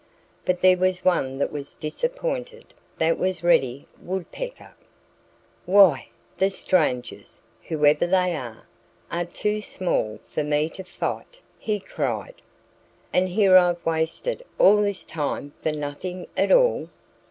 But there was one that was disappointed. That was Reddy Woodpecker. "Why, the strangers whoever they are are too small for me to fight!" he cried. "And here I've wasted all this time for nothing at all!"